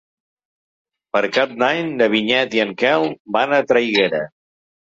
Per Cap d'Any na Vinyet i en Quel van a Traiguera.